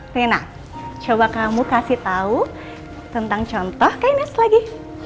rina coba kamu kasih tau tentang contoh oke next lagi